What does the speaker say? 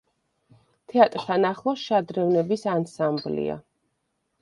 თეატრთან ახლოს შადრევნების ანსამბლია.